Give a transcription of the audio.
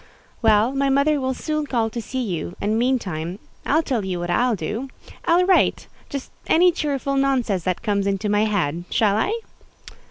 "Well, my mother will soon call to see you; and, meantime, I'll tell you what I'll do. I'll write—just any cheerful nonsense that comes into my head—shall I?"